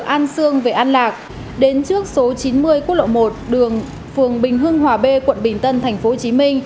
an sương về an lạc đến trước số chín mươi quốc lộ một đường phường bình hưng hòa b quận bình tân tp hcm